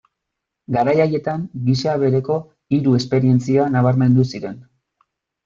Garai haietan gisa bereko hiru esperientzia nabarmendu ziren.